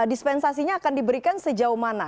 dispensasinya akan diberikan sejauh mana